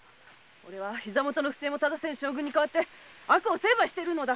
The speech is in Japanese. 俺は不正も糺せぬ将軍に代わって悪を成敗しているのだ。